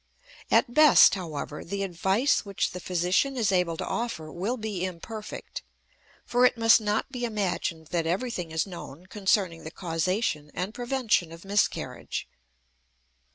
At best, however, the advice which the physician is able to offer will be imperfect, for it must not be imagined that everything is known concerning the causation and prevention of miscarriage.